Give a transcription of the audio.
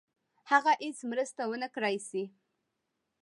هغه هیڅ مرسته ونه کړای سي.